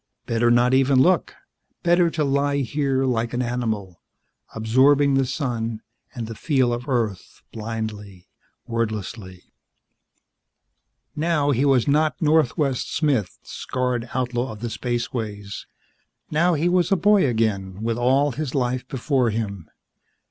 Better not even look; better to lie here like an animal, absorbing the sun and the feel of Earth blindly, wordlessly. Now he was not Northwest Smith, scarred outlaw of the spaceways. Now he was a boy again with all his life before him.